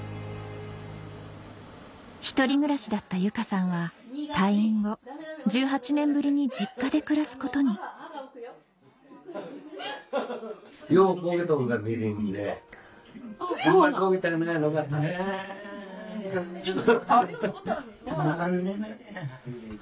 １人暮らしだった由佳さんは退院後１８年ぶりに実家で暮らすことにあっ。